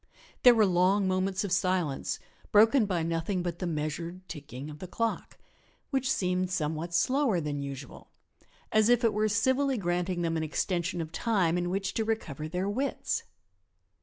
There were long moments of silence broken by nothing but the measured ticking of the clock, which seemed somewhat slower than usual, as if it were civilly granting them an extension of time in which to recover their wits.